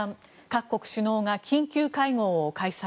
各国首脳が緊急会合を開催。